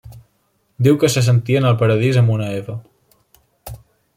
Diu que se sentia en el Paradís amb una Eva.